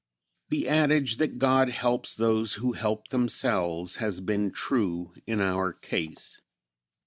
The adage that "God helps those who help themselves" has been true in our case.